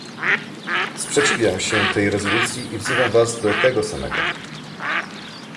Sprzeciwiam się tej rezolucji i wzywam was do tego samego